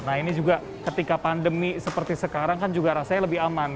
nah ini juga ketika pandemi seperti sekarang kan juga rasanya lebih aman